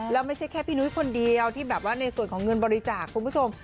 แล้วไม่ใช่แค่พี่นุ้ยคนเดียวที่แบบว่าในส่วนของเงินบริจาคคุณผู้ชม